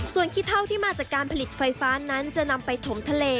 ส่วนขี้เท่าที่มาจากการผลิตไฟฟ้านั้นจะนำไปถมทะเล